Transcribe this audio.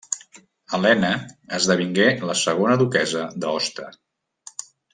Helena esdevingué la segona duquessa d'Aosta.